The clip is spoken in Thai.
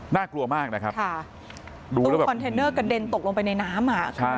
น่ากลัวมากนะครับตู้คอนเทนเนอร์กระเด็นตกลงไปในน้ำ